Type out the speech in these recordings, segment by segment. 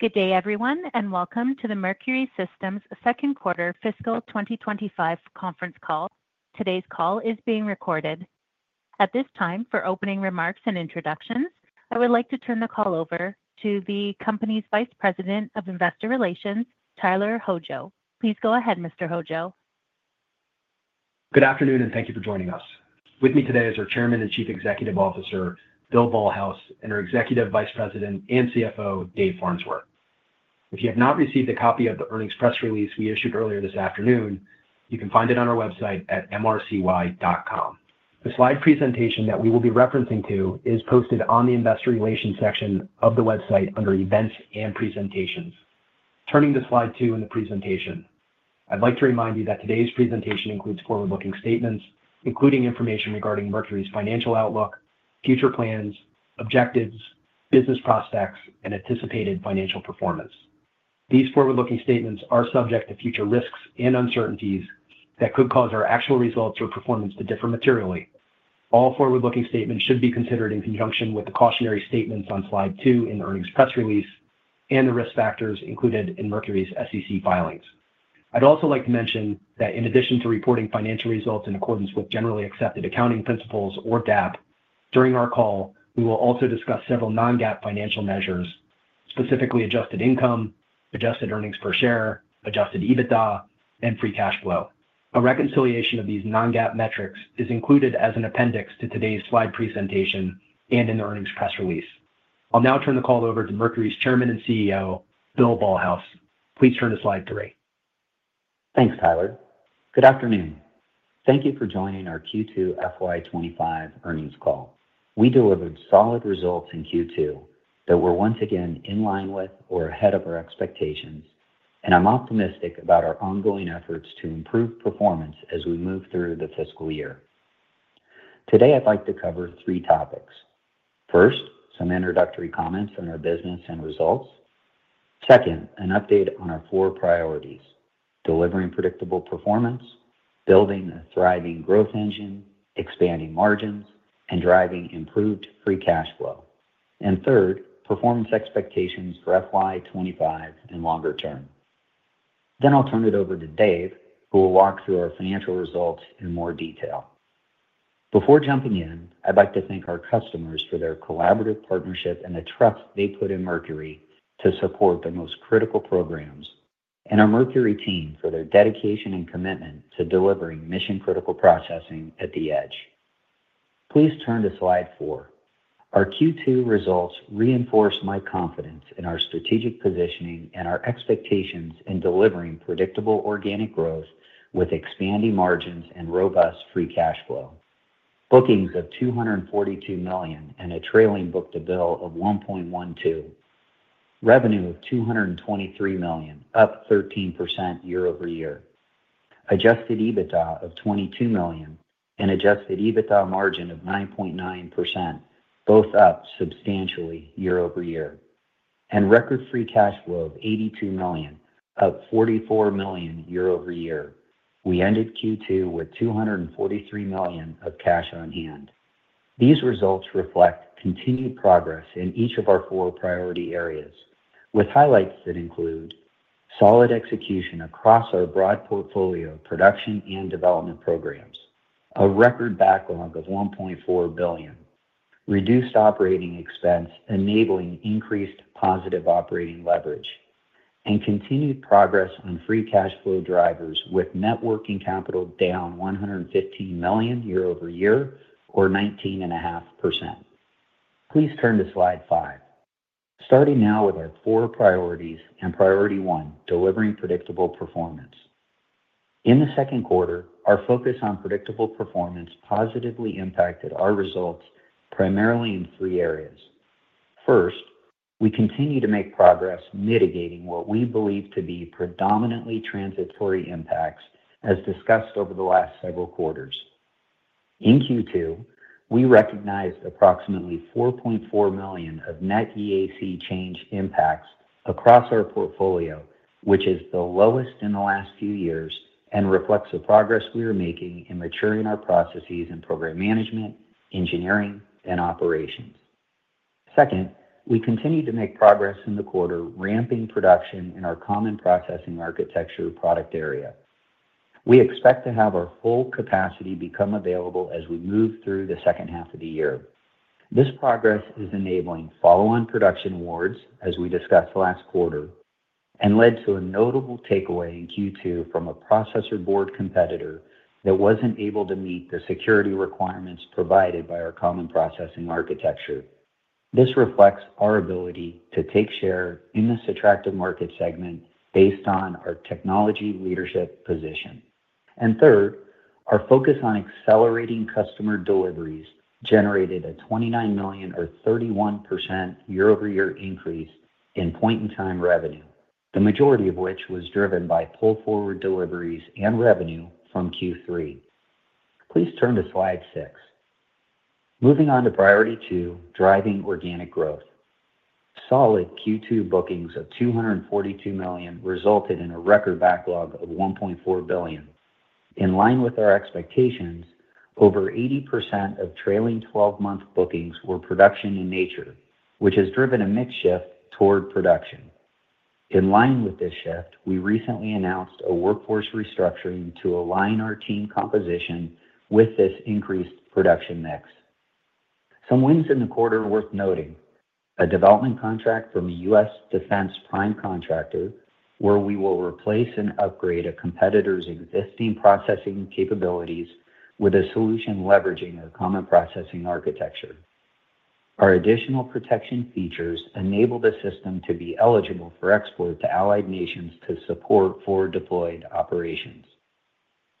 Good day, everyone, and welcome to the Mercury Systems' Second Quarter Fiscal 2025 Conference Call. Today's call is being recorded. At this time, for opening remarks and introductions, I would like to turn the call over to the company's Vice President of Investor Relations, Tyler Hojo. Please go ahead, Mr. Hojo. Good afternoon, and thank you for joining us. With me today is our Chairman and Chief Executive Officer, Bill Ballhaus, and our Executive Vice President and CFO, Dave Farnsworth. If you have not received a copy of the earnings press release we issued earlier this afternoon, you can find it on our website at mrcy.com. The slide presentation that we will be referencing to is posted on the Investor Relations section of the website under Events and Presentations. Turning to slide two in the presentation, I'd like to remind you that today's presentation includes forward-looking statements, including information regarding Mercury's financial outlook, future plans, objectives, business prospects, and anticipated financial performance. These forward-looking statements are subject to future risks and uncertainties that could cause our actual results or performance to differ materially. All forward-looking statements should be considered in conjunction with the cautionary statements on slide two in the earnings press release and the risk factors included in Mercury's SEC filings. I'd also like to mention that in addition to reporting financial results in accordance with generally accepted accounting principles, or GAAP, during our call, we will also discuss several non-GAAP financial measures, specifically adjusted income, adjusted earnings per share, adjusted EBITDA, and free cash flow. A reconciliation of these non-GAAP metrics is included as an appendix to today's slide presentation and in the earnings press release. I'll now turn the call over to Mercury's Chairman and CEO, Bill Ballhaus. Please turn to slide three. Thanks, Tyler. Good afternoon. Thank you for joining our Q2 FY25 earnings call. We delivered solid results in Q2 that were once again in line with or ahead of our expectations, and I'm optimistic about our ongoing efforts to improve performance as we move through the fiscal year. Today, I'd like to cover three topics. First, some introductory comments on our business and results. Second, an update on our four priorities: delivering predictable performance, building a thriving growth engine, expanding margins, and driving improved free cash flow. And third, performance expectations for FY25 and longer term. Then I'll turn it over to Dave, who will walk through our financial results in more detail. Before jumping in, I'd like to thank our customers for their collaborative partnership and the trust they put in Mercury to support the most critical programs, and our Mercury team for their dedication and commitment to delivering mission-critical processing at the edge. Please turn to slide four. Our Q2 results reinforce my confidence in our strategic positioning and our expectations in delivering predictable organic growth with expanding margins and robust free cash flow. Bookings of $242 million and a trailing book-to-bill of $1.12. Revenue of $223 million, up 13% year over year. Adjusted EBITDA of $22 million and adjusted EBITDA margin of 9.9%, both up substantially year over year, and record free cash flow of $82 million, up $44 million year over year. We ended Q2 with $243 million of cash on hand. These results reflect continued progress in each of our four priority areas, with highlights that include solid execution across our broad portfolio of production and development programs, a record backlog of $1.4 billion, reduced operating expense enabling increased positive operating leverage, and continued progress on free cash flow drivers with net working capital down $115 million year over year, or 19.5%. Please turn to slide five. Starting now with our four priorities and priority one, delivering predictable performance. In the second quarter, our focus on predictable performance positively impacted our results primarily in three areas. First, we continue to make progress mitigating what we believe to be predominantly transitory impacts as discussed over the last several quarters. In Q2, we recognized approximately $4.4 million of net EAC change impacts across our portfolio, which is the lowest in the last few years and reflects the progress we are making in maturing our processes in program management, engineering, and operations. Second, we continue to make progress in the quarter, ramping production in our Common Processing Architecture product area. We expect to have our full capacity become available as we move through the second half of the year. This progress is enabling follow-on production awards, as we discussed last quarter, and led to a notable takeaway in Q2 from a processor board competitor that wasn't able to meet the security requirements provided by our Common Processing Architecture. This reflects our ability to take share in this attractive market segment based on our technology leadership position. And third, our focus on accelerating customer deliveries generated a $29 million, or 31% year-over-year increase in point-in-time revenue, the majority of which was driven by pull-forward deliveries and revenue from Q3. Please turn to slide six. Moving on to priority two, driving organic growth. Solid Q2 bookings of $242 million resulted in a record backlog of $1.4 billion. In line with our expectations, over 80% of trailing 12-month bookings were production in nature, which has driven a mix shift toward production. In line with this shift, we recently announced a workforce restructuring to align our team composition with this increased production mix. Some wins in the quarter are worth noting: a development contract from a U.S. defense prime contractor, where we will replace and upgrade a competitor's existing processing capabilities with a solution leveraging our Common Processing Architecture. Our additional protection features enable the system to be eligible for export to allied nations to support forward-deployed operations.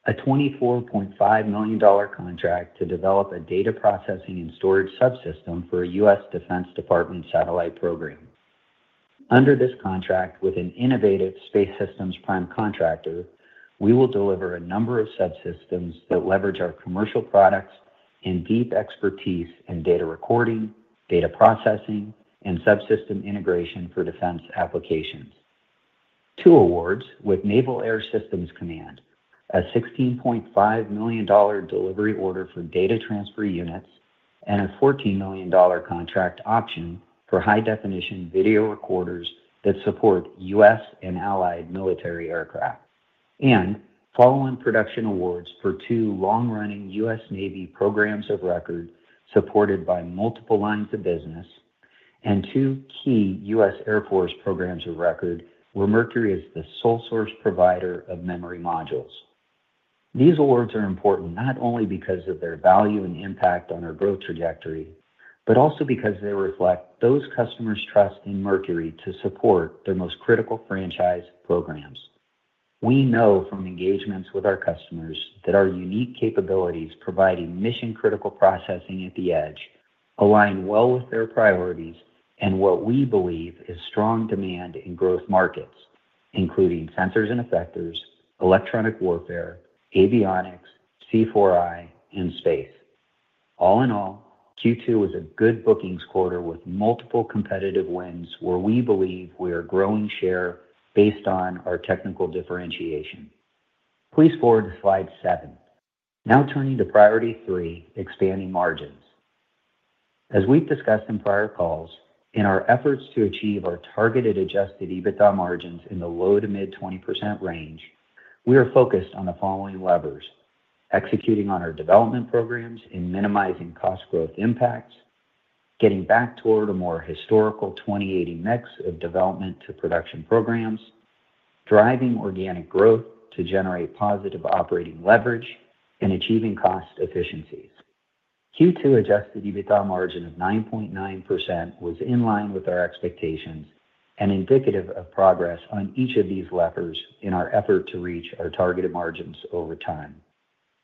A $24.5 million contract to develop a data processing and storage subsystem for a U.S. Department of Defense satellite program. Under this contract, with an innovative space systems prime contractor, we will deliver a number of subsystems that leverage our commercial products and deep expertise in data recording, data processing, and subsystem integration for defense applications. Two awards with Naval Air Systems Command, a $16.5 million delivery order for data transfer units, and a $14 million contract option for high-definition video recorders that support U.S. and allied military aircraft, and follow-on production awards for two long-running U.S. Navy programs of record supported by multiple lines of business and two key U.S. Air Force programs of record where Mercury is the sole source provider of memory modules. These awards are important not only because of their value and impact on our growth trajectory, but also because they reflect those customers' trust in Mercury to support their most critical franchise programs. We know from engagements with our customers that our unique capabilities providing mission-critical processing at the edge align well with their priorities and what we believe is strong demand in growth markets, including sensors and effectors, electronic warfare, avionics, C4I, and space. All in all, Q2 was a good bookings quarter with multiple competitive wins where we believe we are growing share based on our technical differentiation. Please forward to slide seven. Now turning to priority three, expanding margins. As we've discussed in prior calls, in our efforts to achieve our targeted Adjusted EBITDA margins in the low to mid-20% range, we are focused on the following levers: executing on our development programs in minimizing cost growth impacts, getting back toward a more historical 80/20 mix of development to production programs, driving organic growth to generate positive operating leverage, and achieving cost efficiencies. Q2 Adjusted EBITDA margin of 9.9% was in line with our expectations and indicative of progress on each of these levers in our effort to reach our targeted margins over time.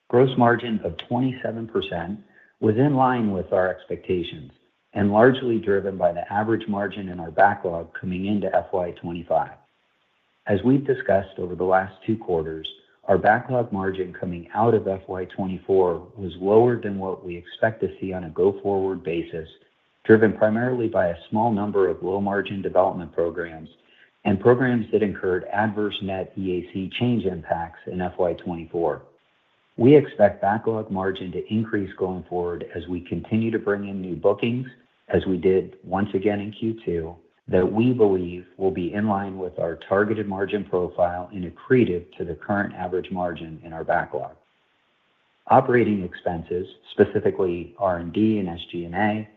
Gross margin of 27% was in line with our expectations and largely driven by the average margin in our backlog coming into FY25. As we've discussed over the last two quarters, our backlog margin coming out of FY24 was lower than what we expect to see on a go-forward basis, driven primarily by a small number of low-margin development programs and programs that incurred adverse net EAC change impacts in FY24. We expect backlog margin to increase going forward as we continue to bring in new bookings, as we did once again in Q2, that we believe will be in line with our targeted margin profile and accretive to the current average margin in our backlog. Operating expenses, specifically R&D and SG&A,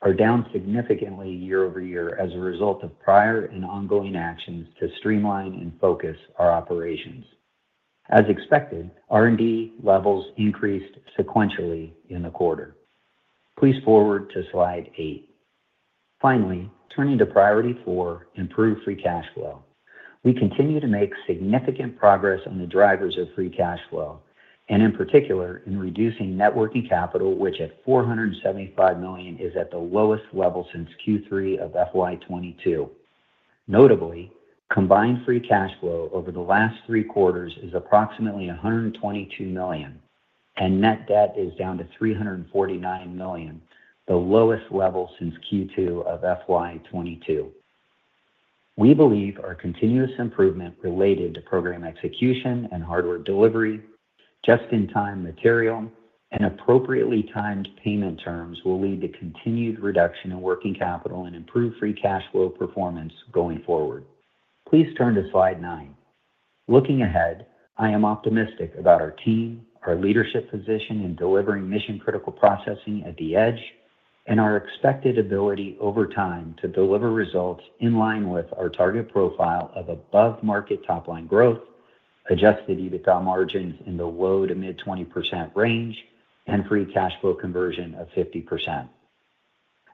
are down significantly year over year as a result of prior and ongoing actions to streamline and focus our operations. As expected, R&D levels increased sequentially in the quarter. Please forward to slide eight. Finally, turning to priority four, improved free cash flow. We continue to make significant progress on the drivers of free cash flow, and in particular in reducing net working capital, which at $475 million is at the lowest level since Q3 of FY22. Notably, combined free cash flow over the last three quarters is approximately $122 million, and net debt is down to $349 million, the lowest level since Q2 of FY22. We believe our continuous improvement related to program execution and hardware delivery, just-in-time material, and appropriately timed payment terms will lead to continued reduction in working capital and improved free cash flow performance going forward. Please turn to slide nine. Looking ahead, I am optimistic about our team, our leadership position in delivering mission-critical processing at the edge, and our expected ability over time to deliver results in line with our target profile of above-market top-line growth, Adjusted EBITDA margins in the low- to mid-20% range, and Free Cash Flow conversion of 50%.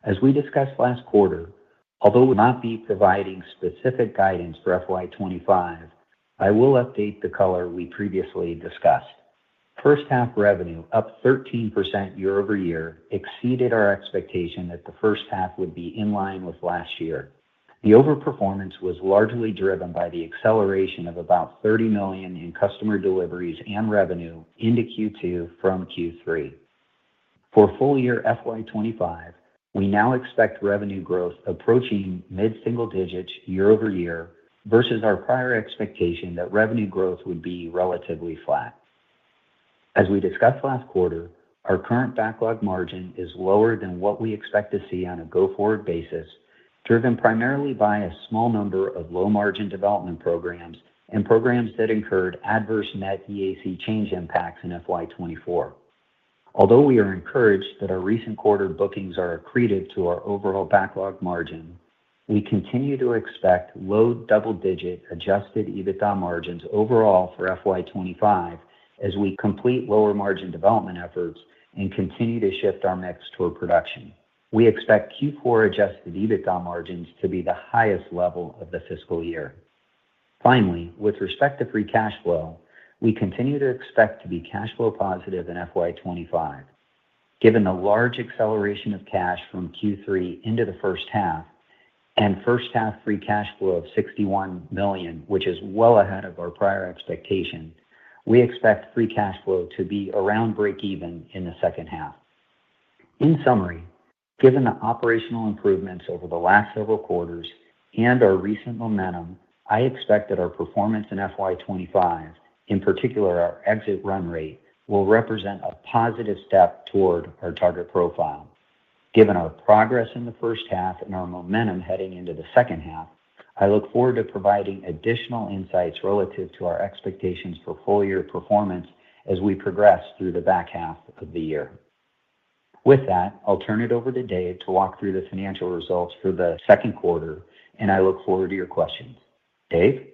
As we discussed last quarter, although we will not be providing specific guidance for FY25, I will update the color we previously discussed. First-half revenue, up 13% year over year, exceeded our expectation that the first half would be in line with last year. The overperformance was largely driven by the acceleration of about $30 million in customer deliveries and revenue into Q2 from Q3. For full-year FY25, we now expect revenue growth approaching mid-single digits year over year versus our prior expectation that revenue growth would be relatively flat. As we discussed last quarter, our current backlog margin is lower than what we expect to see on a go-forward basis, driven primarily by a small number of low-margin development programs and programs that incurred adverse net EAC change impacts in FY24. Although we are encouraged that our recent quarter bookings are accretive to our overall backlog margin, we continue to expect low double-digit adjusted EBITDA margins overall for FY25 as we complete lower margin development efforts and continue to shift our mix toward production. We expect Q4 adjusted EBITDA margins to be the highest level of the fiscal year. Finally, with respect to free cash flow, we continue to expect to be cash flow positive in FY25. Given the large acceleration of cash from Q3 into the first half and first-half free cash flow of $61 million, which is well ahead of our prior expectation, we expect free cash flow to be around break-even in the second half. In summary, given the operational improvements over the last several quarters and our recent momentum, I expect that our performance in FY25, in particular our exit run rate, will represent a positive step toward our target profile. Given our progress in the first half and our momentum heading into the second half, I look forward to providing additional insights relative to our expectations for full-year performance as we progress through the back half of the year. With that, I'll turn it over to Dave to walk through the financial results for the second quarter, and I look forward to your questions. Dave?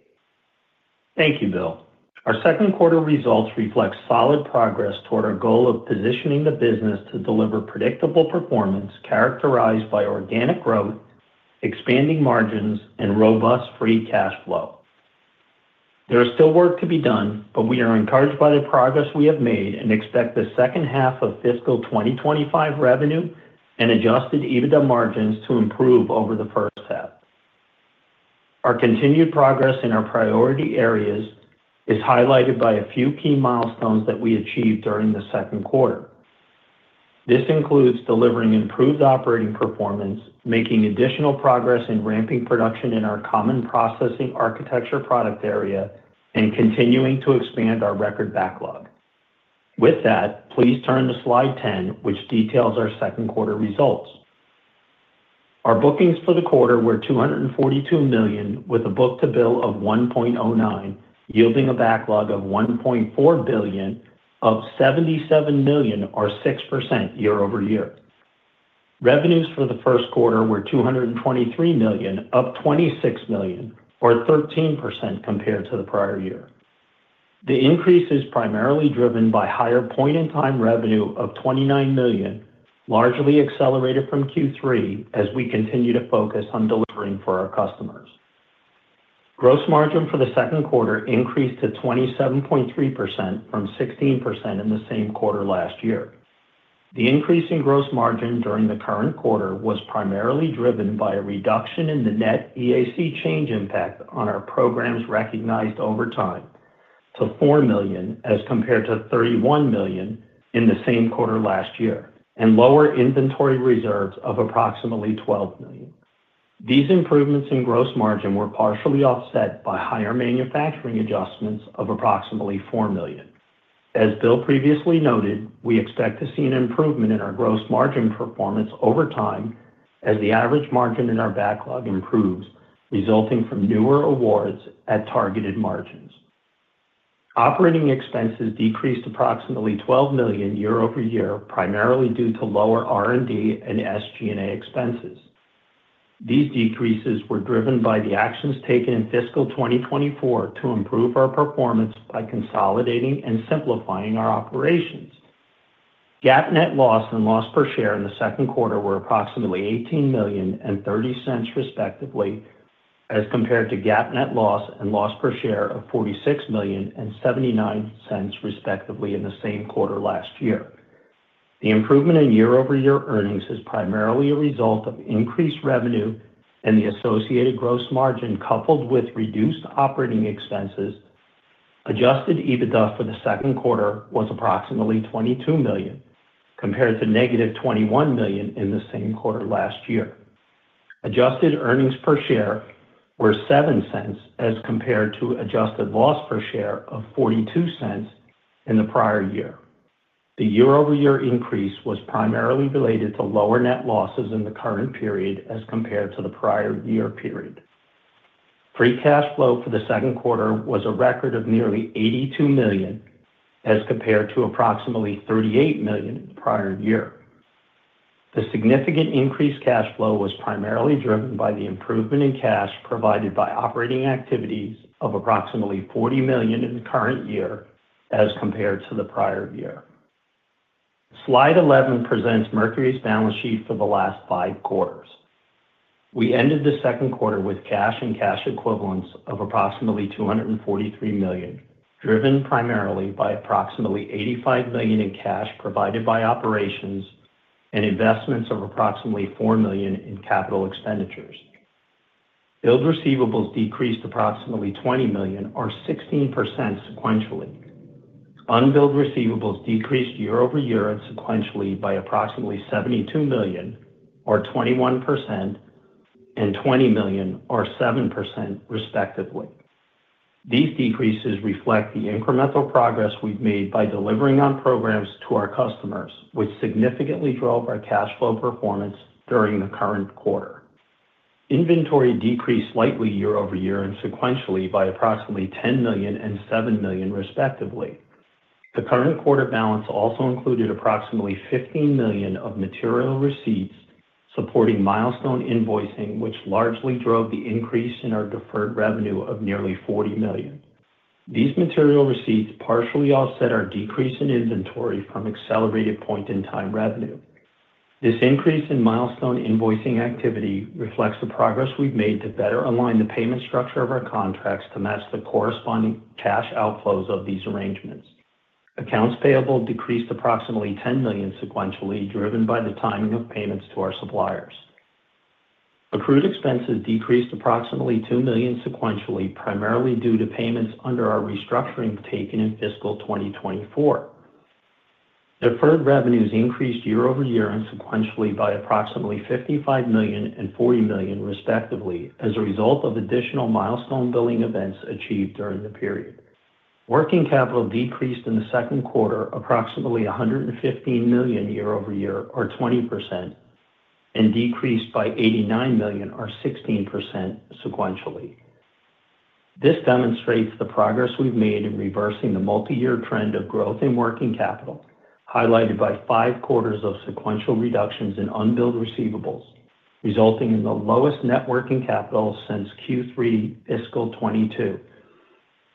Thank you, Bill. Our second quarter results reflect solid progress toward our goal of positioning the business to deliver predictable performance characterized by organic growth, expanding margins, and robust free cash flow. There is still work to be done, but we are encouraged by the progress we have made and expect the second half of fiscal 2025 revenue and adjusted EBITDA margins to improve over the first half. Our continued progress in our priority areas is highlighted by a few key milestones that we achieved during the second quarter. This includes delivering improved operating performance, making additional progress in ramping production in our Common Processing Architecture product area, and continuing to expand our record backlog. With that, please turn to Slide 10, which details our second quarter results. Our bookings for the quarter were $242 million, with a book-to-bill of $1.09, yielding a backlog of $1.4 billion, up $77 million, or 6% year over year. Revenues for the first quarter were $223 million, up $26 million, or 13% compared to the prior year. The increase is primarily driven by higher point-in-time revenue of $29 million, largely accelerated from Q3 as we continue to focus on delivering for our customers. Gross margin for the second quarter increased to 27.3% from 16% in the same quarter last year. The increase in gross margin during the current quarter was primarily driven by a reduction in the net EAC change impact on our programs recognized over time to $4 million as compared to $31 million in the same quarter last year, and lower inventory reserves of approximately $12 million. These improvements in gross margin were partially offset by higher manufacturing adjustments of approximately $4 million. As Bill previously noted, we expect to see an improvement in our gross margin performance over time as the average margin in our backlog improves, resulting from newer awards at targeted margins. Operating expenses decreased approximately $12 million year over year, primarily due to lower R&D and SG&A expenses. These decreases were driven by the actions taken in fiscal 2024 to improve our performance by consolidating and simplifying our operations. GAAP net loss and loss per share in the second quarter were approximately $18 million and $0.30 respectively, as compared to GAAP net loss and loss per share of $46 million and $0.79 respectively in the same quarter last year. The improvement in year-over-year earnings is primarily a result of increased revenue, and the associated gross margin coupled with reduced operating expenses. Adjusted EBITDA for the second quarter was approximately $22 million, compared to -$21 million in the same quarter last year. Adjusted earnings per share were $0.07 as compared to adjusted loss per share of $0.42 in the prior year. The year-over-year increase was primarily related to lower net losses in the current period as compared to the prior year period. Free cash flow for the second quarter was a record of nearly $82 million as compared to approximately $38 million prior year. The significant increased cash flow was primarily driven by the improvement in cash provided by operating activities of approximately $40 million in the current year as compared to the prior year. Slide 11 presents Mercury's balance sheet for the last five quarters. We ended the second quarter with cash and cash equivalents of approximately $243 million, driven primarily by approximately $85 million in cash provided by operations and investments of approximately $4 million in capital expenditures. Billed receivables decreased approximately $20 million, or 16% sequentially. Unbilled receivables decreased year-over-year and sequentially by approximately $72 million, or 21%, and $20 million, or 7%, respectively. These decreases reflect the incremental progress we've made by delivering on programs to our customers, which significantly drove our cash flow performance during the current quarter. Inventory decreased slightly year-over-year and sequentially by approximately $10 million and $7 million, respectively. The current quarter balance also included approximately $15 million of material receipts supporting milestone invoicing, which largely drove the increase in our deferred revenue of nearly $40 million. These material receipts partially offset our decrease in inventory from accelerated point-in-time revenue. This increase in milestone invoicing activity reflects the progress we've made to better align the payment structure of our contracts to match the corresponding cash outflows of these arrangements. Accounts payable decreased approximately $10 million sequentially, driven by the timing of payments to our suppliers. Accrued expenses decreased approximately $2 million sequentially, primarily due to payments under our restructuring taken in fiscal 2024. Deferred revenues increased year-over-year and sequentially by approximately $55 million and $40 million, respectively, as a result of additional milestone billing events achieved during the period. Working capital decreased in the second quarter approximately $115 million year-over-year, or 20%, and decreased by $89 million, or 16%, sequentially. This demonstrates the progress we've made in reversing the multi-year trend of growth in working capital, highlighted by five quarters of sequential reductions in unbilled receivables, resulting in the lowest net working capital since Q3 fiscal 2022.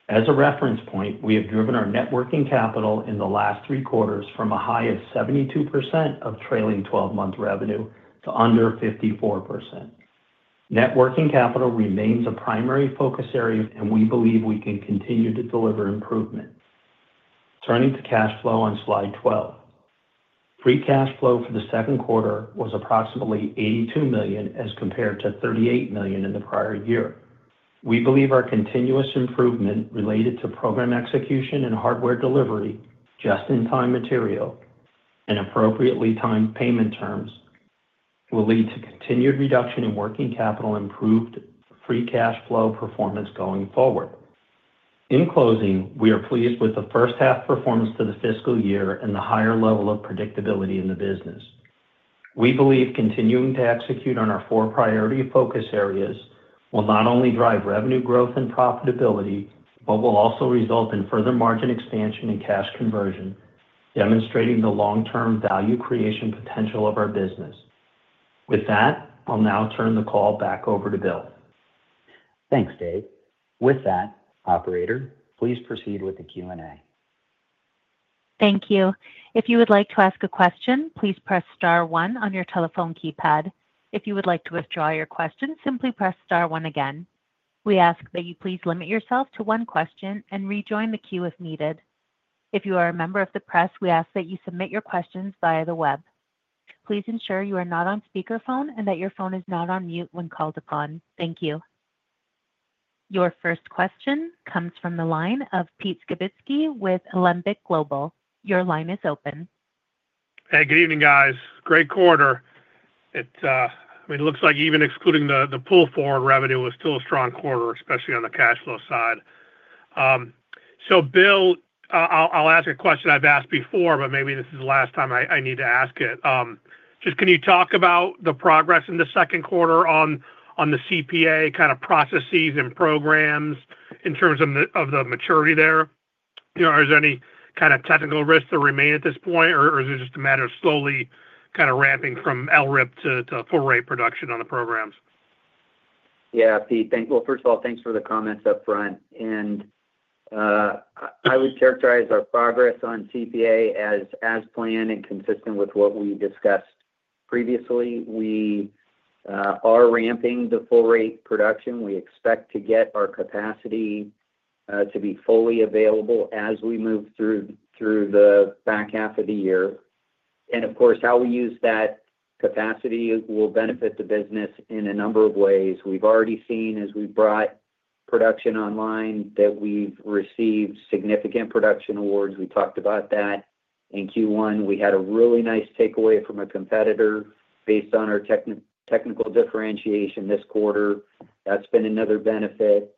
As a reference point, we have driven our net working capital in the last three quarters from a high of 72% of trailing 12-month revenue to under 54%. Net working capital remains a primary focus area, and we believe we can continue to deliver improvement. Turning to cash flow on slide 12, free cash flow for the second quarter was approximately $82 million as compared to $38 million in the prior year. We believe our continuous improvement related to program execution and hardware delivery, just-in-time material, and appropriately timed payment terms will lead to continued reduction in working capital improved free cash flow performance going forward. In closing, we are pleased with the first-half performance to the fiscal year and the higher level of predictability in the business. We believe continuing to execute on our four priority focus areas will not only drive revenue growth and profitability, but will also result in further margin expansion and cash conversion, demonstrating the long-term value creation potential of our business. With that, I'll now turn the call back over to Bill. Thanks, Dave. With that, operator, please proceed with the Q&A. Thank you. If you would like to ask a question, please press star one on your telephone keypad. If you would like to withdraw your question, simply press star one again. We ask that you please limit yourself to one question and rejoin the queue if needed. If you are a member of the press, we ask that you submit your questions via the web. Please ensure you are not on speakerphone and that your phone is not on mute when called upon. Thank you. Your first question comes from the line of Pete Skibitski with Alembic Global. Your line is open. Hey, good evening, guys. Great quarter. I mean, it looks like even excluding the pull forward revenue was still a strong quarter, especially on the cash flow side. So, Bill, I'll ask a question I've asked before, but maybe this is the last time I need to ask it. Just can you talk about the progress in the second quarter on the CPA kind of processes and programs in terms of the maturity there? Is there any kind of technical risk that remains at this point, or is it just a matter of slowly kind of ramping from LRIP to full-rate production on the programs? Yeah, Pete, thank you. Well, first of all, thanks for the comments upfront. And I would characterize our progress on CPA as planned and consistent with what we discussed previously. We are ramping the full-rate production. We expect to get our capacity to be fully available as we move through the back half of the year. And, of course, how we use that capacity will benefit the business in a number of ways. We've already seen, as we've brought production online, that we've received significant production awards. We talked about that in Q1. We had a really nice takeaway from a competitor based on our technical differentiation this quarter. That's been another benefit.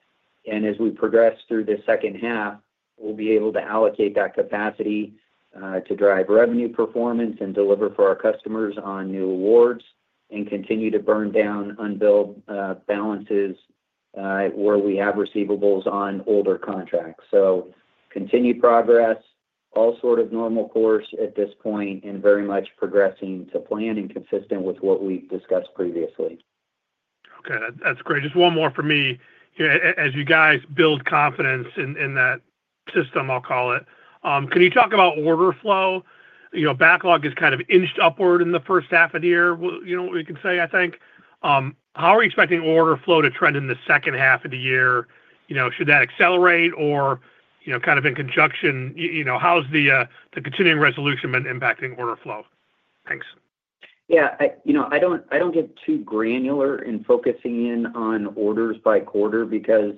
And as we progress through the second half, we'll be able to allocate that capacity to drive revenue performance and deliver for our customers on new awards and continue to burn down unbilled balances where we have receivables on older contracts. So, continued progress, all sort of normal course at this point, and very much progressing to plan and consistent with what we've discussed previously. Okay. That's great. Just one more for me. As you guys build confidence in that system, I'll call it, can you talk about order flow? Backlog is kind of inched upward in the first half of the year, we can say, I think. How are we expecting order flow to trend in the second half of the year? Should that accelerate or kind of in conjunction? How's the continuing resolution been impacting order flow? Thanks. Yeah. I don't get too granular in focusing in on orders by quarter because,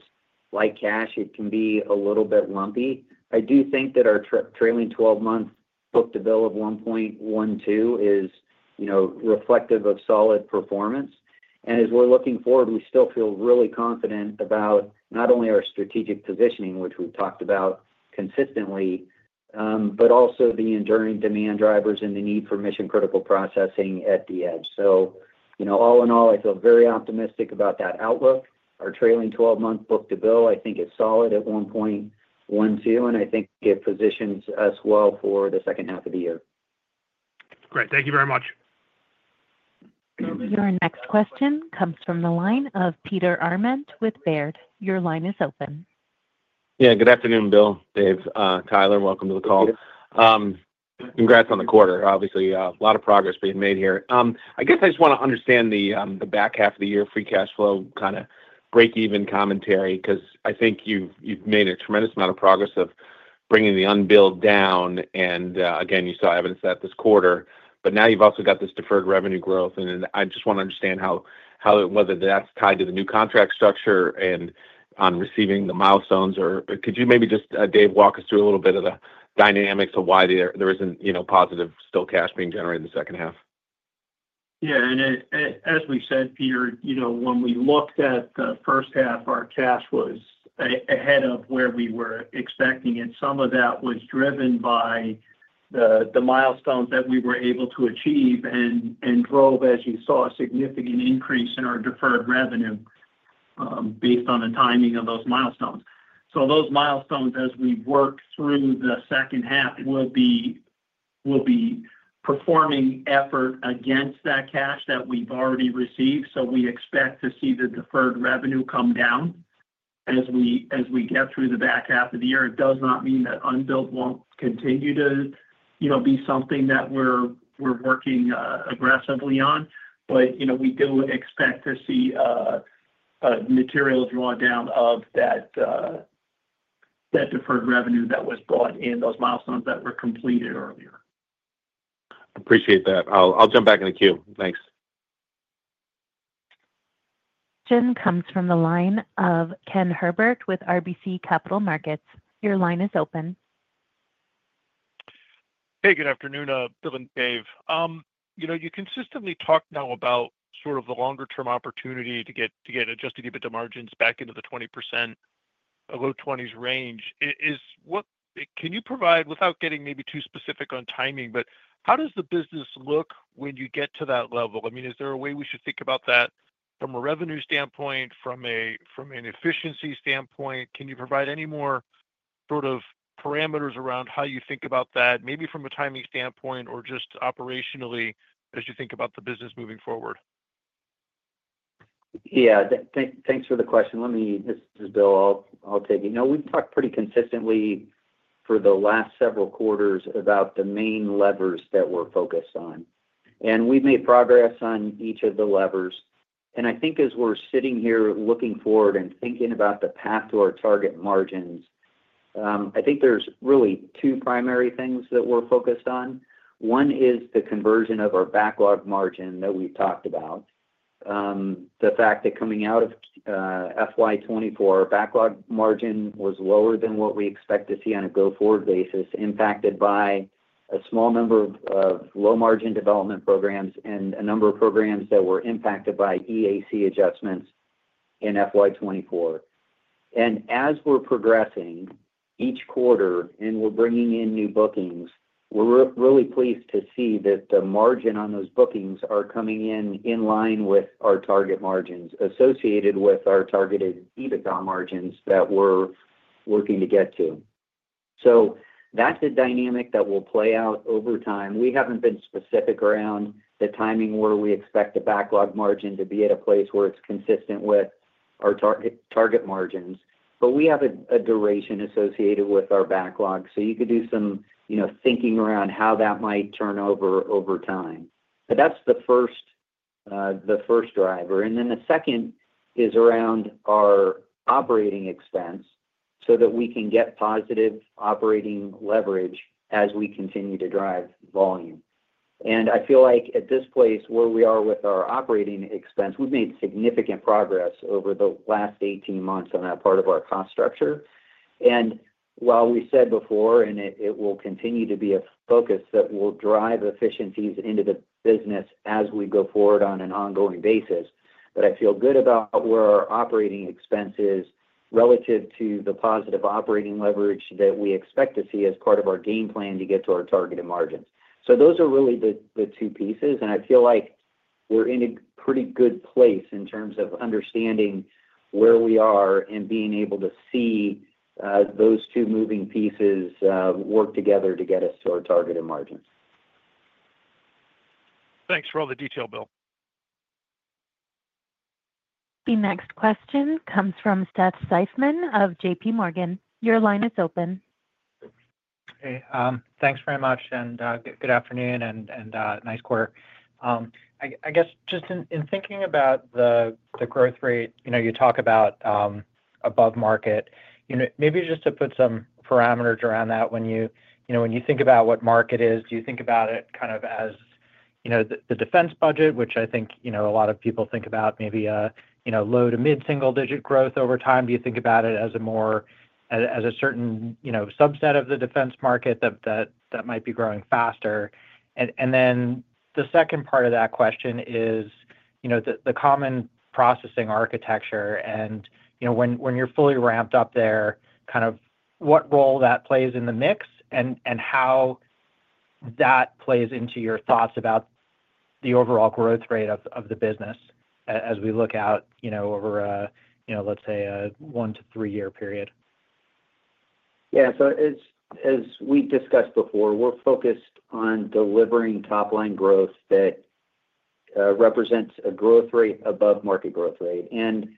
like cash, it can be a little bit lumpy. I do think that our trailing 12-month book-to-bill of 1.12 is reflective of solid performance. And as we're looking forward, we still feel really confident about not only our strategic positioning, which we've talked about consistently, but also the enduring demand drivers and the need for mission-critical processing at the edge. So all in all, I feel very optimistic about that outlook. Our trailing 12-month book-to-bill, I think, is solid at 1.12, and I think it positions us well for the second half of the year. Great. Thank you very much. Your next question comes from the line of Peter Arment with Baird. Your line is open. Yeah. Good afternoon, Bill, Dave, Tyler, welcome to the call. Congrats on the quarter. Obviously, a lot of progress being made here. I guess I just want to understand the back half of the year free cash flow kind of break-even commentary because I think you've made a tremendous amount of progress of bringing the unbilled down. And again, you saw evidence of that this quarter, but now you've also got this deferred revenue growth. And I just want to understand how and whether that's tied to the new contract structure and on receiving the milestones. Or could you maybe just, Dave, walk us through a little bit of the dynamics of why there isn't positive still cash being generated in the second half? Yeah. And as we said, Peter, when we looked at the first half, our cash was ahead of where we were expecting. And some of that was driven by the milestones that we were able to achieve and drove, as you saw, a significant increase in our deferred revenue based on the timing of those milestones. So those milestones, as we work through the second half, will be performing effort against that cash that we've already received. So we expect to see the deferred revenue come down as we get through the back half of the year. It does not mean that unbilled won't continue to be something that we're working aggressively on, but we do expect to see a material drawdown of that deferred revenue that was brought in those milestones that were completed earlier. Appreciate that. I'll jump back in the queue. Thanks. Question comes from the line of Ken Herbert with RBC Capital Markets. Your line is open. Hey, good afternoon, Bill and Dave. You consistently talk now about sort of the longer-term opportunity to get adjusted EBITDA margins back into the 20%, a low 20s range. Can you provide, without getting maybe too specific on timing, but how does the business look when you get to that level? I mean, is there a way we should think about that from a revenue standpoint, from an efficiency standpoint? Can you provide any more sort of parameters around how you think about that, maybe from a timing standpoint or just operationally as you think about the business moving forward? Yeah. Thanks for the question. This is Bill. I'll take it. We've talked pretty consistently for the last several quarters about the main levers that we're focused on. And we've made progress on each of the levers. And I think as we're sitting here looking forward and thinking about the path to our target margins, I think there's really two primary things that we're focused on. One is the conversion of our backlog margin that we've talked about. The fact that coming out of FY24, our backlog margin was lower than what we expect to see on a go-forward basis, impacted by a small number of low-margin development programs and a number of programs that were impacted by EAC adjustments in FY24. And as we're progressing each quarter and we're bringing in new bookings, we're really pleased to see that the margin on those bookings are coming in line with our target margins associated with our targeted EBITDA margins that we're working to get to. So that's a dynamic that will play out over time. We haven't been specific around the timing where we expect the backlog margin to be at a place where it's consistent with our target margins, but we have a duration associated with our backlog. So you could do some thinking around how that might turn over over time. But that's the first driver. Then the second is around our operating expense so that we can get positive operating leverage as we continue to drive volume. And I feel like at this place where we are with our operating expense, we've made significant progress over the last 18 months on that part of our cost structure. And while we said before, and it will continue to be a focus that will drive efficiencies into the business as we go forward on an ongoing basis, that I feel good about where our operating expense is relative to the positive operating leverage that we expect to see as part of our game plan to get to our targeted margins. So those are really the two pieces. I feel like we're in a pretty good place in terms of understanding where we are and being able to see those two moving pieces work together to get us to our targeted margins. Thanks for all the detail, Bill. The next question comes from Seth Seifman of J.P. Morgan. Your line is open. Hey. Thanks very much. Good afternoon and nice quarter. I guess just in thinking about the growth rate, you talk about above market. Maybe just to put some parameters around that, when you think about what market is, do you think about it kind of as the defense budget, which I think a lot of people think about maybe a low to mid-single-digit growth over time? Do you think about it as a certain subset of the defense market that might be growing faster? Then the second part of that question is the Common Processing Architecture. And when you're fully ramped up there, kind of what role that plays in the mix and how that plays into your thoughts about the overall growth rate of the business as we look out over, let's say, a one- to three-year period. Yeah. So as we've discussed before, we're focused on delivering top-line growth that represents a growth rate above market growth rate. And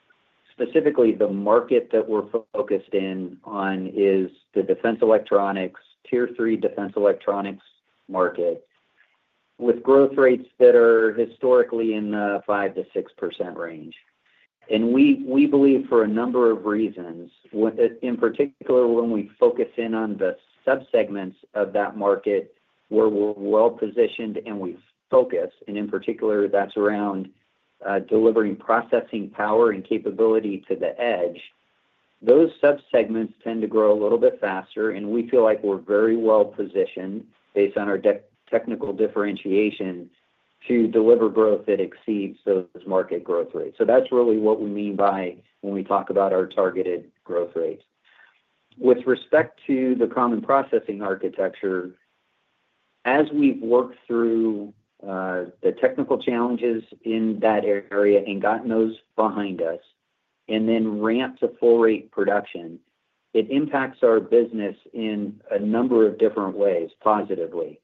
specifically, the market that we're focused in on is the defense electronics, tier three defense electronics market, with growth rates that are historically in the 5%-6% range. And we believe for a number of reasons. In particular, when we focus in on the subsegments of that market where we're well-positioned and we focus, and in particular, that's around delivering processing power and capability to the edge, those subsegments tend to grow a little bit faster, and we feel like we're very well-positioned based on our technical differentiation to deliver growth that exceeds those market growth rates, so that's really what we mean by when we talk about our targeted growth rates. With respect to the Common Processing Architecture, as we've worked through the technical challenges in that area and gotten those behind us and then ramped to full-rate production, it impacts our business in a number of different ways, positively.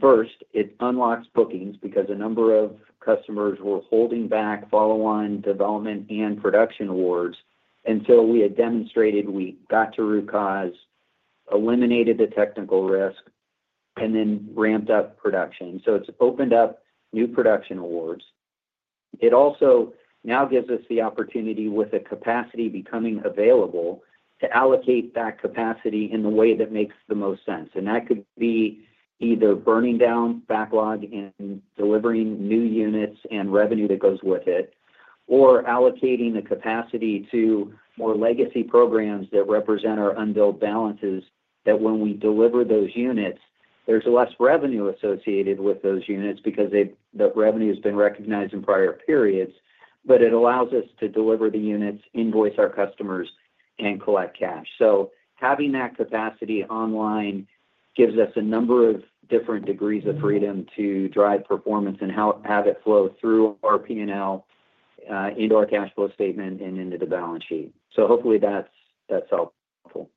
First, it unlocks bookings because a number of customers were holding back follow-on development and production awards until we had demonstrated we got to root cause, eliminated the technical risk, and then ramped up production. So it's opened up new production awards. It also now gives us the opportunity, with the capacity becoming available, to allocate that capacity in the way that makes the most sense. And that could be either burning down backlog and delivering new units and revenue that goes with it, or allocating the capacity to more legacy programs that represent our unbilled balances that when we deliver those units, there's less revenue associated with those units because the revenue has been recognized in prior periods, but it allows us to deliver the units, invoice our customers, and collect cash. So having that capacity online gives us a number of different degrees of freedom to drive performance and have it flow through our P&L into our cash flow statement and into the balance sheet. So hopefully, that's helpful.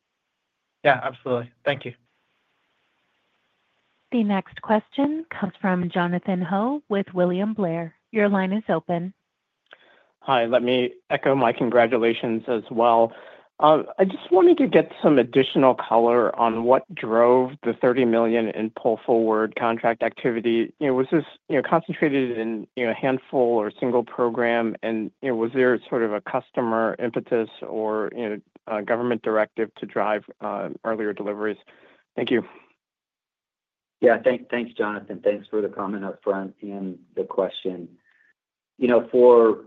Yeah. Absolutely. Thank you. The next question comes from Jonathan Ho with William Blair. Your line is open. Hi. Let me echo my congratulations as well. I just wanted to get some additional color on what drove the $30 million in pull-forward contract activity. Was this concentrated in a handful or single program, and was there sort of a customer impetus or government directive to drive earlier deliveries? Thank you. Yeah. Thanks, Jonathan. Thanks for the comment upfront and the question. For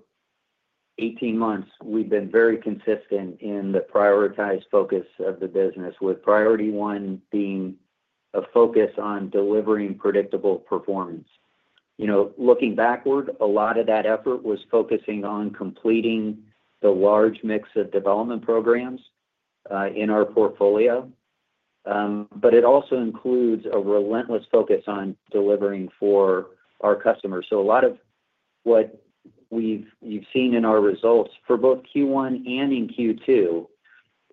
18 months, we've been very consistent in the prioritized focus of the business, with priority one being a focus on delivering predictable performance. Looking backward, a lot of that effort was focusing on completing the large mix of development programs in our portfolio, but it also includes a relentless focus on delivering for our customers. So a lot of what you've seen in our results for both Q1 and in Q2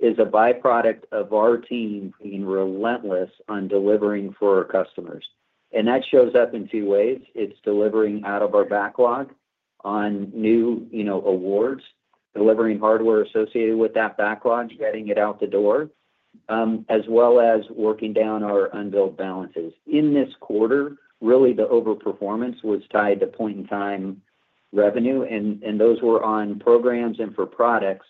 is a byproduct of our team being relentless on delivering for our customers. And that shows up in two ways. It's delivering out of our backlog on new awards, delivering hardware associated with that backlog, getting it out the door, as well as working down our unbilled balances. In this quarter, really, the overperformance was tied to point-in-time revenue. And those were on programs and for products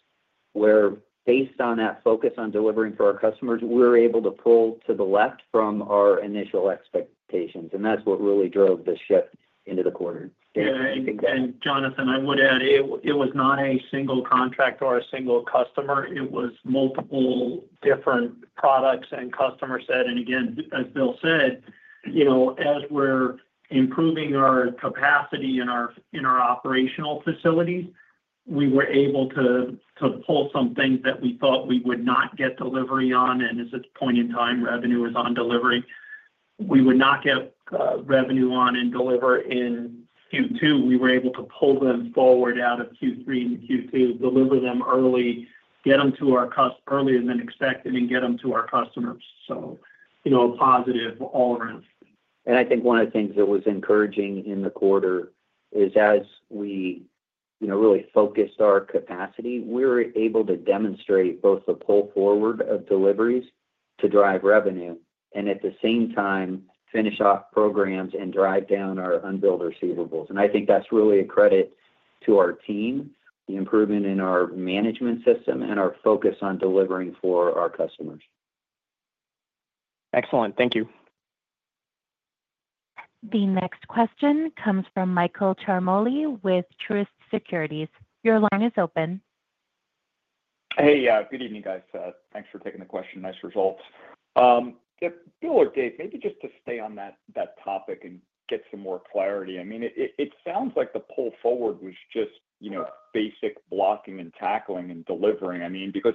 where, based on that focus on delivering for our customers, we were able to pull to the left from our initial expectations. And that's what really drove the shift into the quarter. And Jonathan, I would add it was not a single contract or a single customer. It was multiple different products and customer set. Again, as Bill said, as we're improving our capacity in our operational facilities, we were able to pull some things that we thought we would not get delivery on. As tnat point-in-time revenue is on delivery, we would not get revenue on and deliver in Q2. We were able to pull them forward out of Q3 into Q2, deliver them early, get them to our customers earlier than expected, and get them to our customers. A positive all around. I think one of the things that was encouraging in the quarter is, as we really focused our capacity, we were able to demonstrate both the pull-forward of deliveries to drive revenue and, at the same time, finish off programs and drive down our unbilled receivables. And I think that's really a credit to our team, the improvement in our management system, and our focus on delivering for our customers. Excellent. Thank you. The next question comes from Michael Ciarmoli with Truist Securities. Your line is open. Hey. Good evening, guys. Thanks for taking the question. Nice results. Bill or Dave, maybe just to stay on that topic and get some more clarity. I mean, it sounds like the pull-forward was just basic blocking and tackling and delivering. I mean, because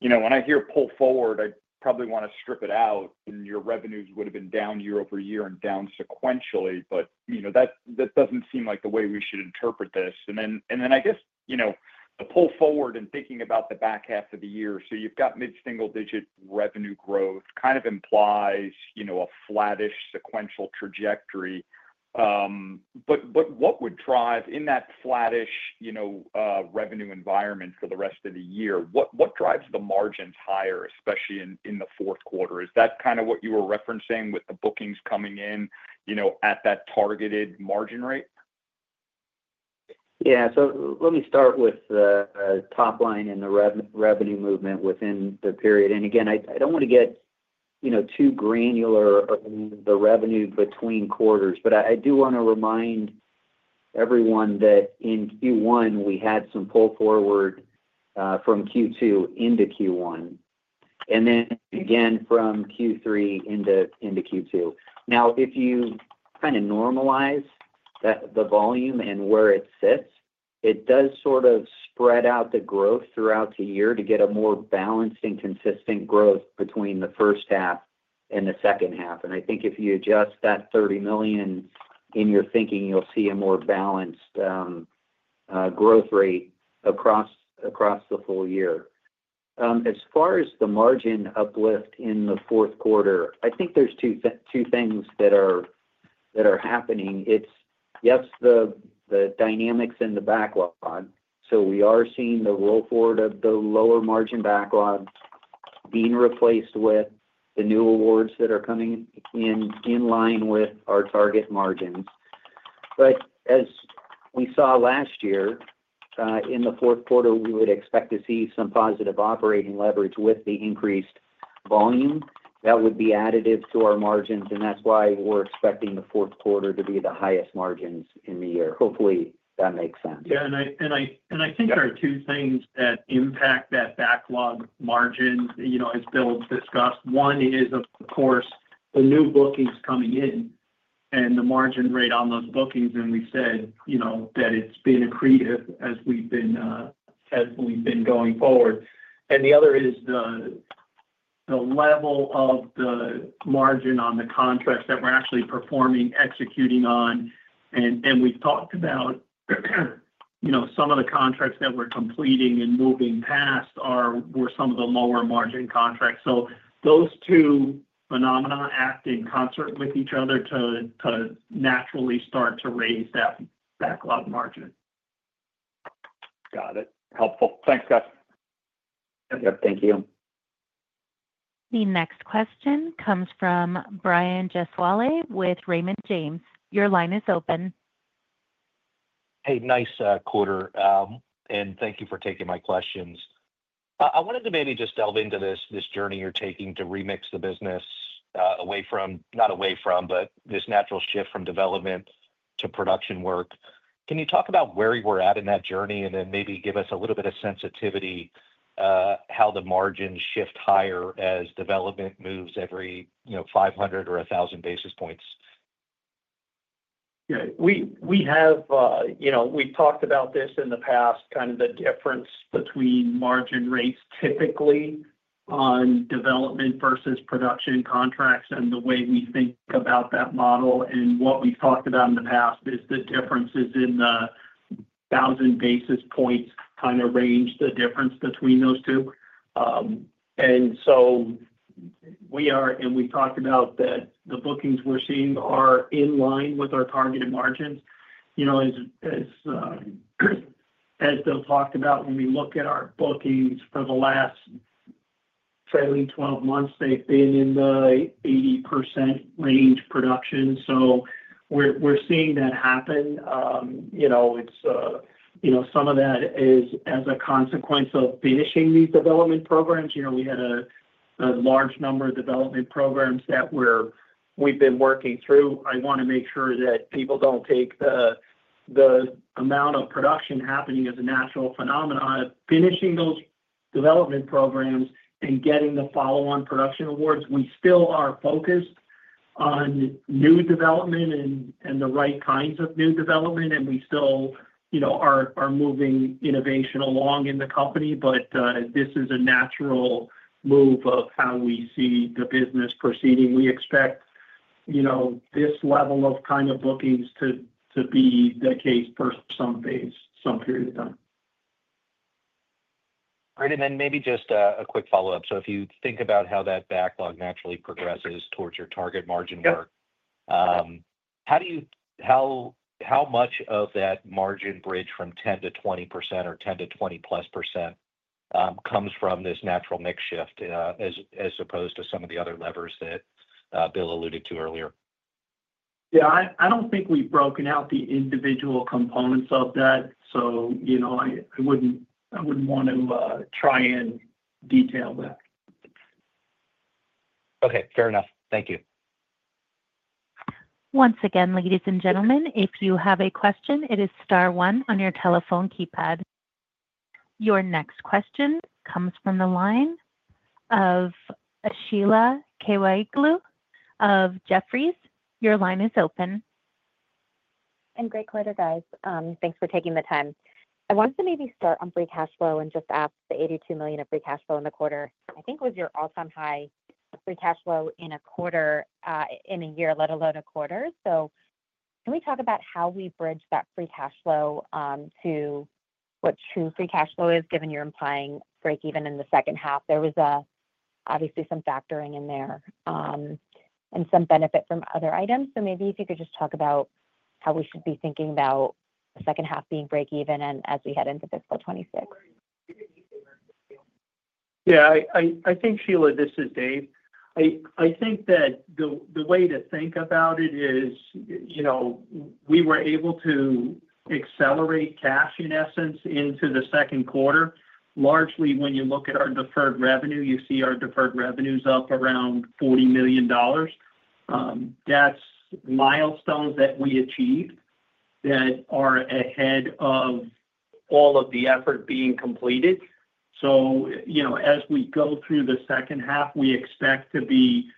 when I hear pull-forward, I probably want to strip it out, and your revenues would have been down year over year and down sequentially. But that doesn't seem like the way we should interpret this. And then I guess the pull-forward and thinking about the back half of the year, so you've got mid-single-digit revenue growth, kind of implies a flattish sequential trajectory. But what would drive in that flattish revenue environment for the rest of the year? What drives the margins higher, especially in the fourth quarter? Is that kind of what you were referencing with the bookings coming in at that targeted margin rate? Yeah. So let me start with the top line and the revenue movement within the period. And again, I don't want to get too granular on the revenue between quarters, but I do want to remind everyone that in Q1, we had some pull-forward from Q2 into Q1, and then again from Q3 into Q2. Now, if you kind of normalize the volume and where it sits, it does sort of spread out the growth throughout the year to get a more balanced and consistent growth between the first half and the second half. I think if you adjust that $30 million in your thinking, you'll see a more balanced growth rate across the full year. As far as the margin uplift in the fourth quarter, I think there's two things that are happening. It's, yes, the dynamics in the backlog. So we are seeing the roll forward of the lower margin backlog being replaced with the new awards that are coming in line with our target margins. But as we saw last year in the fourth quarter, we would expect to see some positive operating leverage with the increased volume. That would be additive to our margins, and that's why we're expecting the fourth quarter to be the highest margins in the year. Hopefully, that makes sense. Yeah. And I think there are two things that impact that backlog margin as Bill discussed. One is, of course, the new bookings coming in and the margin rate on those bookings. And we said that it's been accretive as we've been going forward. And the other is the level of the margin on the contracts that we're actually performing, executing on. And we've talked about some of the contracts that we're completing and moving past were some of the lower margin contracts. So those two phenomena act in concert with each other to naturally start to raise that backlog margin. Got it. Helpful. Thanks, guys. Yep. Thank you. The next question comes from Brian Gesuale with Raymond James. Your line is open. Hey. Nice quarter. And thank you for taking my questions. I wanted to maybe just delve into this journey you're taking to remix the business away from not away from, but this natural shift from development to production work. Can you talk about where you were at in that journey and then maybe give us a little bit of sensitivity how the margins shift higher as development moves every 500 or 1,000 basis points? Yeah. We have talked about this in the past, kind of the difference between margin rates typically on development versus production contracts and the way we think about that model. And what we've talked about in the past is the differences in the 1,000 basis points kind of range the difference between those two. And so we are and we've talked about that the bookings we're seeing are in line with our targeted margins. As Bill talked about, when we look at our bookings for the last trailing 12 months, they've been in the 80% range production. So we're seeing that happen. It's some of that is as a consequence of finishing these development programs. We had a large number of development programs that we've been working through. I want to make sure that people don't take the amount of production happening as a natural phenomenon. Finishing those development programs and getting the follow-on production awards, we still are focused on new development and the right kinds of new development. And we still are moving innovation along in the company. But this is a natural move of how we see the business proceeding. We expect this level of kind of bookings to be the case for some period of time. Great. And then maybe just a quick follow-up. So if you think about how that backlog naturally progresses towards your target margin work, how much of that margin bridge from 10%-20% or 10%-20+% comes from this natural mix shift as opposed to some of the other levers that Bill alluded to earlier? Yeah. I don't think we've broken out the individual components of that. So I wouldn't want to try and detail that. Okay. Fair enough. Thank you. Once again, ladies and gentlemen, if you have a question, it is star one on your telephone keypad. Your next question comes from the line of Sheila Kahyaoglu of Jefferies. Your line is open. And great quarter, guys. Thanks for taking the time. I wanted to maybe start on free cash flow and just ask the $82 million of free cash flow in the quarter. I think it was your all-time high free cash flow in a quarter in a year, let alone a quarter. So can we talk about how we bridge that free cash flow to what true free cash flow is, given you're implying break-even in the second half? There was obviously some factoring in there and some benefit from other items. So maybe if you could just talk about how we should be thinking about the second half being break-even as we head into fiscal 2026. Yeah. I think, Sheila, this is Dave. I think that the way to think about it is we were able to accelerate cash, in essence, into the second quarter. Largely, when you look at our deferred revenue, you see our deferred revenues up around $40 million. That's milestones that we achieved that are ahead of all of the effort being completed. So as we go through the second half, we expect to be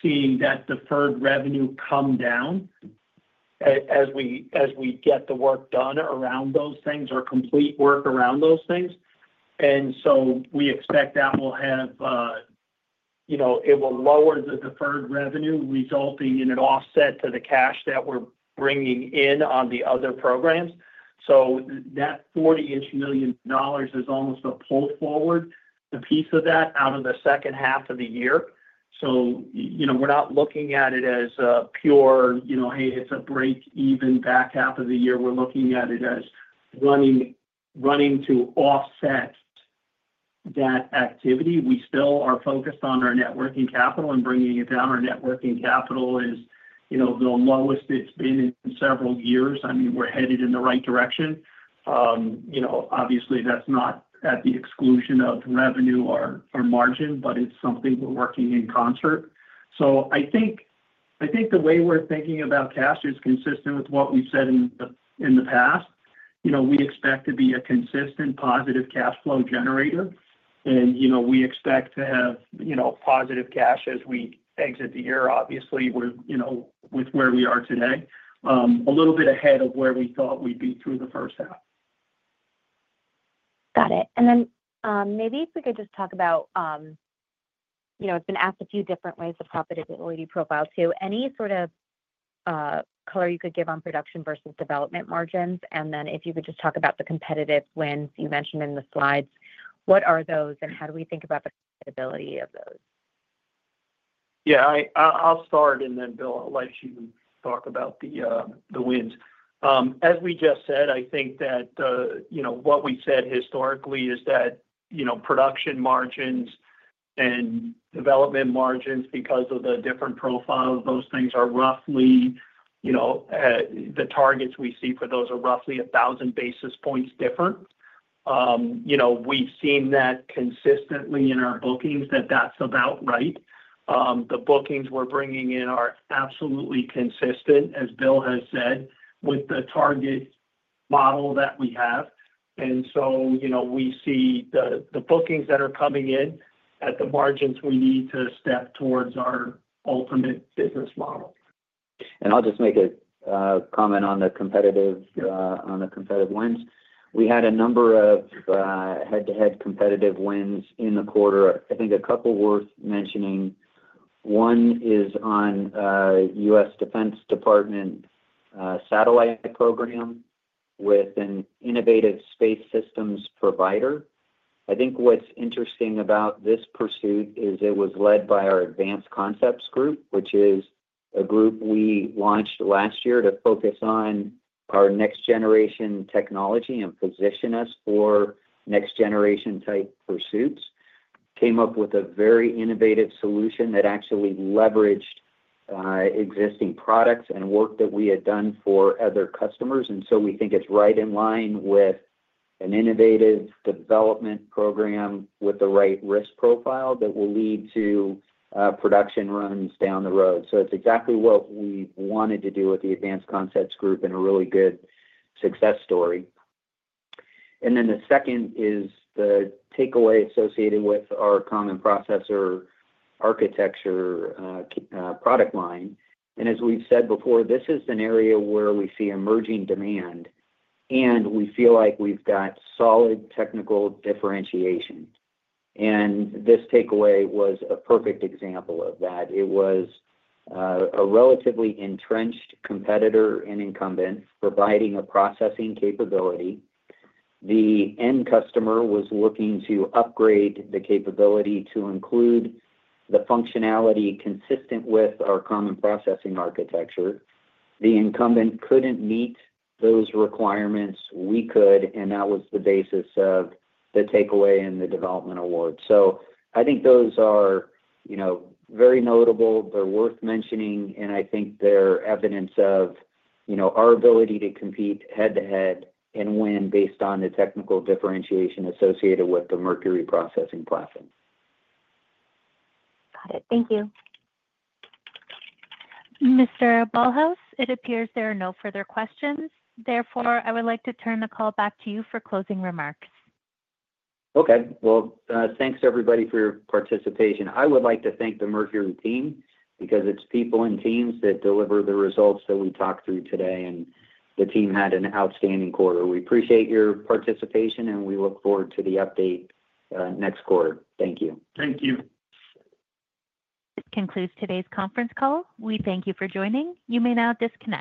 seeing that deferred revenue come down as we get the work done around those things or complete work around those things. And so we expect that it will lower the deferred revenue, resulting in an offset to the cash that we're bringing in on the other programs. So that $40 million is almost a pull-forward, a piece of that out of the second half of the year. So we're not looking at it as a pure, "Hey, it's a break-even back half of the year." We're looking at it as running to offset that activity. We still are focused on our net working capital and bringing it down. Our net working capital is the lowest it's been in several years. I mean, we're headed in the right direction. Obviously, that's not at the exclusion of revenue or margin, but it's something we're working in concert, so I think the way we're thinking about cash is consistent with what we've said in the past. We expect to be a consistent positive cash flow generator, and we expect to have positive cash as we exit the year, obviously, with where we are today, a little bit ahead of where we thought we'd be through the first half. Got it. And then maybe if we could just talk about it, it's been asked a few different ways to profitability profile too. Any sort of color you could give on production versus development margins? And then if you could just talk about the competitive wins you mentioned in the slides, what are those, and how do we think about the profitability of those? Yeah. I'll start, a`nd then Bill, I'll let you talk about the wins. As we just said, I think that what we said historically is that production margins and development margins, because of the different profiles, those things are roughly the targets we see for those are roughly 1,000 basis points different. We've seen that consistently in our bookings, that that's about right. The bookings we're bringing in are absolutely consistent, as Bill has said, with the target model that we have. And so we see the bookings that are coming in at the margins we need to step towards our ultimate business model. And I'll just make a comment on the competitive wins. We had a number of head-to-head competitive wins in the quarter. I think a couple worth mentioning. One is on U.S. Department of Defense satellite program with an innovative space systems provider. I think what's interesting about this pursuit is it was led by our Advanced Concepts Group, which is a group we launched last year to focus on our next-generation technology and position us for next-generation-type pursuits, came up with a very innovative solution that actually leveraged existing products and work that we had done for other customers. And so we think it's right in line with an innovative development program with the right risk profile that will lead to production runs down the road. So it's exactly what we wanted to do with the Advanced Concepts Group and a really good success story. And then the second is the takeaway associated with our Common Processing Architecture product line. And as we've said before, this is an area where we see emerging demand, and we feel like we've got solid technical differentiation. And this takeaway was a perfect example of that. It was a relatively entrenched competitor and incumbent providing a processing capability. The end customer was looking to upgrade the capability to include the functionality consistent with our Common Processing Architecture. The incumbent couldn't meet those requirements. We could, and that was the basis of the takeaway and the development award. So I think those are very notable. They're worth mentioning, and I think they're evidence of our ability to compete head-to-head and win based on the technical differentiation associated with the Mercury processing platform. Got it. Thank you. Mr. Ballhaus, it appears there are no further questions. Therefore, I would like to turn the call back to you for closing remarks. Okay. Well, thanks, everybody, for your participation. I would like to thank the Mercury team because it's people and teams that deliver the results that we talked through today, and the team had an outstanding quarter. We appreciate your participation, and we look forward to the update next quarter. Thank you. Thank you. This concludes today's conference call. We thank you for joining. You may now disconnect.